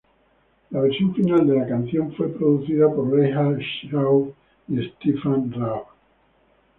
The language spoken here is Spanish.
La versión final de la canción fue producida por Reinhard Schaub y Stefan Raab.